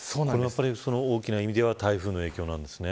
大きな意味では台風の影響なんですね。